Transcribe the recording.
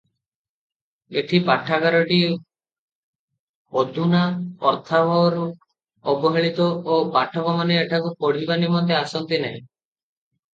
ଏହି ପାଠାଗାରଟି ଅଧୁନା ଅର୍ଥାଭାବରୁ ଅବହେଳିତ ଓ ପାଠକମାନେ ଏଠାକୁ ପଢ଼ିବା ନିମନ୍ତେ ଆସନ୍ତି ନାହିଁ ।